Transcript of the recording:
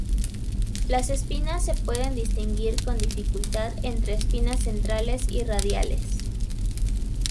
Las espinas se pueden distinguir con dificultad entre espinas centrales y radiales.